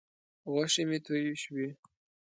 غوښې مې تویې شوې.